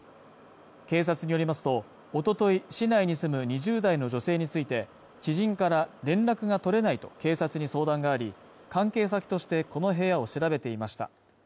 警察によりますとおととい市内に住む２０代の女性について知人から連絡が取れないと警察に相談があり関係先としてこの部屋を調べていました